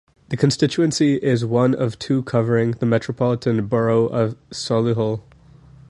The constituency is one of two covering the Metropolitan Borough of Solihull.